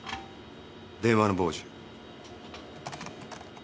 電話の傍受。